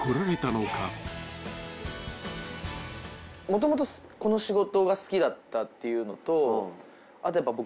もともとこの仕事が好きだったっていうのとあとやっぱ僕。